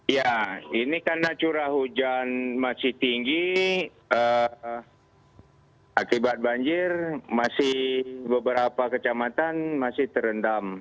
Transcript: ya ini karena curah hujan masih tinggi akibat banjir masih beberapa kecamatan masih terendam